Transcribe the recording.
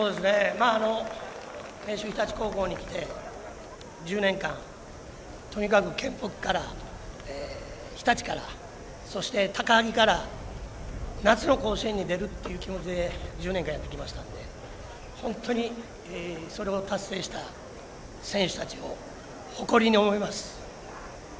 明秀日立高校に来て１０年間とにかく県北から日立からそして高萩から夏の甲子園に出るという気持ちで１０年間、やってきましたので本当にそれを達成した選手たちを誇りに思います。